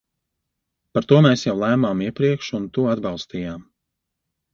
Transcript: Par to mēs jau lēmām iepriekš un to atbalstījām.